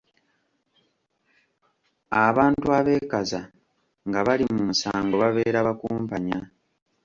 Abantu abeekaza nga bali mu musango babeera bakumpanya.